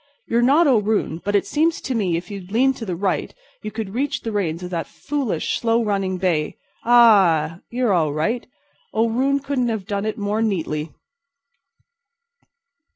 You're not O'Roon, but it seems to me if you'd lean to the right you could reach the reins of that foolish slow running bay—ah! you're all right; O'Roon couldn't have done it more neatly!"